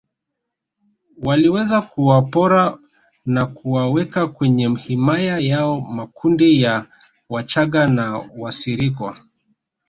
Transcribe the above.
Waliweza kuwapora na kuwaweka kwenye himaya yao makundi ya wachaga na Wasirikwa